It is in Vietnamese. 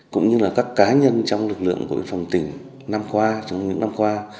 cũng như là các cá nhân trong lực lượng của bệnh phòng tỉnh trong những năm qua